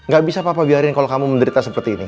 gak bisa papa biarin kalau kamu menderita seperti ini